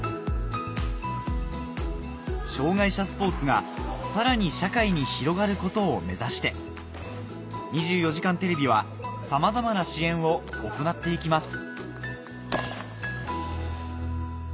障がい者スポーツがさらに社会に広がることを目指して『２４時間テレビ』はさまざまな支援を行っていきます